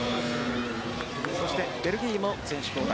そしてベルギーも選手交代。